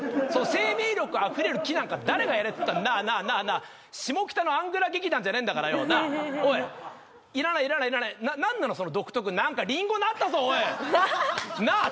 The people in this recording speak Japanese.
生命力あふれる木なんか誰がやれっつったなあなあなあなあ下北のアングラ劇団じゃねえんだからよなあおいいらないいらないいらない何なのその独特何かリンゴなったぞおいなあ